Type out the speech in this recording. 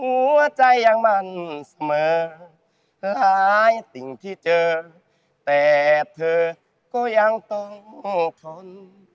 หัวใจยังมั่นเสมอหลายสิ่งที่เจอแต่เธอก็ยังต้องทน